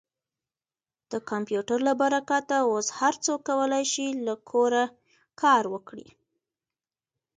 د کمپیوټر له برکته اوس هر څوک کولی شي له کوره کار وکړي.